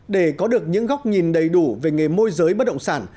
để có được những góc nhìn đầy đủ về nghề môi giới bất động sản